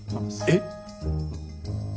えっ？